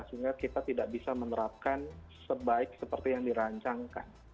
sehingga kita tidak bisa menerapkan sebaik seperti yang dirancangkan